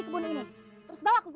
aku mau nemin ibu dan dahlia dulu